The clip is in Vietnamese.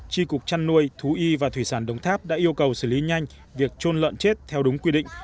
tri cục trăn nuôi thú y và thủy sản đồng tháp đã yêu cầu xử lý nhanh việc trôn lợn chết theo đúng quy định